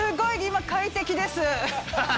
今、快適です。